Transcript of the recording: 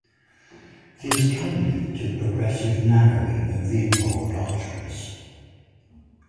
This can lead to progressive narrowing of the involved arteries.